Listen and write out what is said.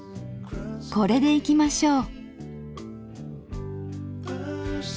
これでいきましょう。